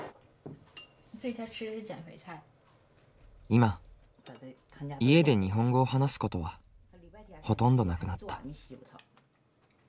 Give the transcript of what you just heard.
今家で日本語を話すことはほとんどなくなった。